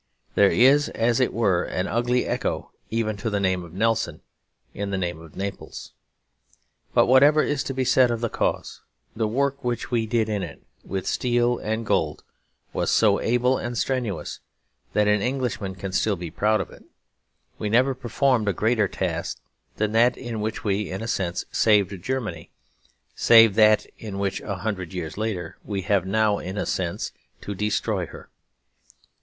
There is, as it were, an ugly echo even to the name of Nelson in the name of Naples. But whatever is to be said of the cause, the work which we did in it, with steel and gold, was so able and strenuous that an Englishman can still be proud of it. We never performed a greater task than that in which we, in a sense, saved Germany, save that in which a hundred years later, we have now, in a sense, to destroy her.